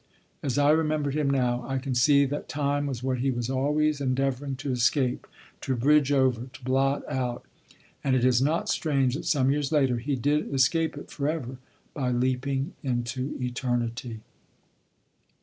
As I remember him now, I can see that time was what he was always endeavoring to escape, to bridge over, to blot out; and it is not strange that some years later he did escape it forever, by leaping into eternity.